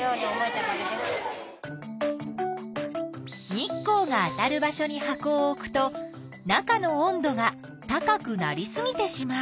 日光があたる場所に箱を置くと中の温度が高くなりすぎてしまう。